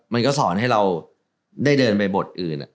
มันก็สอนให้เราได้เดินไปบทอื่น